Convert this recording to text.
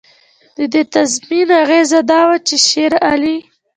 د دې تضمین اغېزه دا وه چې شېرعلي.